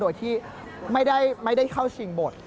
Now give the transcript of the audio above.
โดยที่ไม่ได้เข้าชิงบท